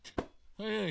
はいはい。